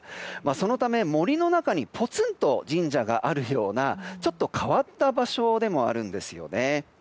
そのため、森の中にポツンと神社があるようなちょっと変わった場所でもあるんですよね。